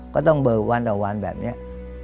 ต้องเบิกวันต่อวันแบบนี้